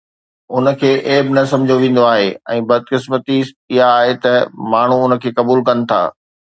ان کي عيب نه سمجهيو ويندو آهي ۽ بدقسمتي اها آهي ته ماڻهو ان کي قبول ڪن ٿا.